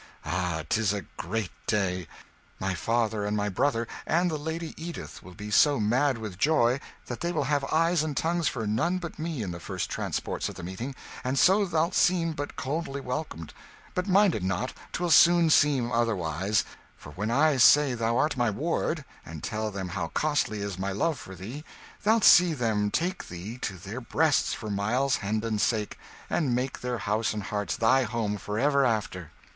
"Ah, 'tis a great day! My father and my brother, and the Lady Edith will be so mad with joy that they will have eyes and tongue for none but me in the first transports of the meeting, and so thou'lt seem but coldly welcomed but mind it not; 'twill soon seem otherwise; for when I say thou art my ward, and tell them how costly is my love for thee, thou'lt see them take thee to their breasts for Miles Hendon's sake, and make their house and hearts thy home for ever after!"